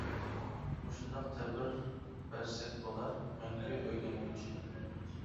مۇشۇنداق تەبىر بەرسەك بولار؟ مەڭگۈ ئۆگەنگۈچى!